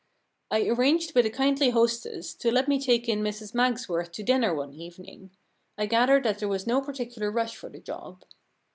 I arranged with a kindly hostess to let me take in Mrs Mags worth to dinner one evening — I gather that there was no particular rush for the job.